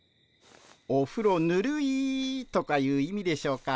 おふろぬるいとかいう意味でしょうか。